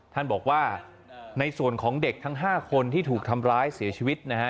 ท่านบอกว่าในส่วนของเด็กทั้ง๕คนที่ถูกทำร้ายเสียชีวิตนะฮะ